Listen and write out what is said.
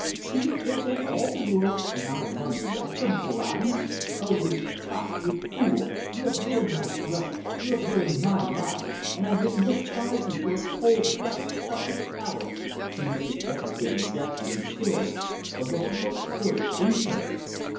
Do you think that all the world, and I among the rest, are blind? Oh, you fop, you fool, you have ruined my brother, you have ruined my life, and I hate and despise you for a cold blooded, selfish coward!" He made a deprecating gesture and stared a look of most curious inquiry.